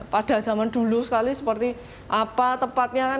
pada zaman dulu sekali seperti apa tepatnya kan